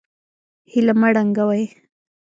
هیله مه ړنګوئ